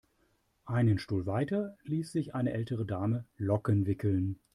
Einen Stuhl weiter ließ sich eine ältere Dame Locken wickeln.